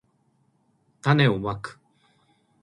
たねをまく